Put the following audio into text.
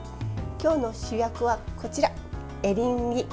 今日の主役はこちら、エリンギ。